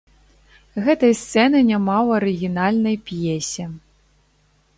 Гэтай сцэны няма ў арыгінальнай п'есе.